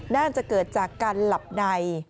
น่าจะเกิดจากการหลับใน